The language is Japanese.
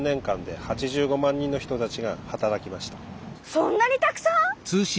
そんなにたくさん？